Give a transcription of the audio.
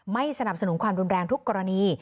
ไม่สนับสนุนความรุนแรงทุกกรณี